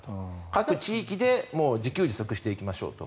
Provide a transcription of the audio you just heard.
各地域で自給自足していきましょうと。